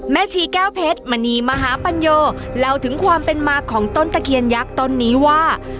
ชีแก้วเพชรมณีมหาปัญโยเล่าถึงความเป็นมาของต้นตะเคียนยักษ์ต้นนี้ว่า